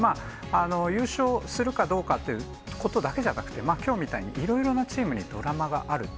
優勝するかどうかっていうことだけではなくて、きょうみたいに、いろいろなチームにドラマがある。